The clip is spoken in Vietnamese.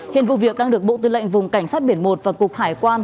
hiện vụ việc đang được bộ tư lệnh vùng cảnh sát biển một và cục hải quan